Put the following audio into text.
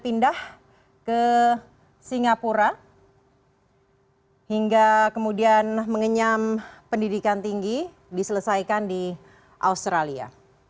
pindah ke singapura hingga kemudian mengenyam pendidikan tinggi diselesaikan di australia